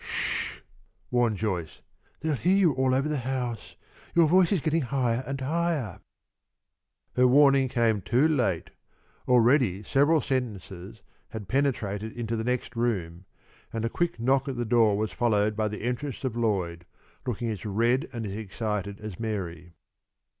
"Sh!" warned Joyce. "They'll hear you all over the house. Your voice is getting higher and higher." Her warning came too late. Already several sentences had penetrated into the next room, and a quick knock at the door was followed by the entrance of Lloyd, looking as red and excited as Mary.